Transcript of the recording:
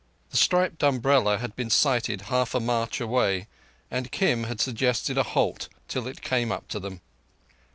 The striped umbrella had been sighted half a march away, and Kim had suggested a halt till it came up to them.